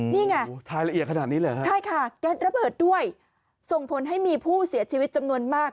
นี่ไงครับแก๊สระเบิดด้วยส่งผลให้มีผู้เสียชีวิตจำนวนมาก